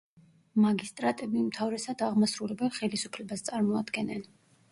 მაგისტრატები უმთავრესად აღმასრულებელ ხელისუფლებას წარმოადგენდნენ.